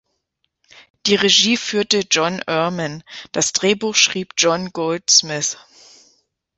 Die Regie führte John Erman, das Drehbuch schrieb John Goldsmith.